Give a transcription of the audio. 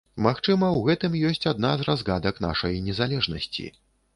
Магчыма, у гэтым ёсць адна з разгадак нашай незалежнасці.